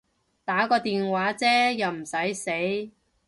打個電話啫又唔駛死